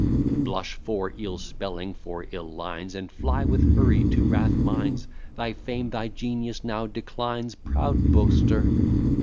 Blush for ill spelling, for ill lines, And fly with hurry to Rathmines; Thy fame, thy genius, now declines, proud boaster.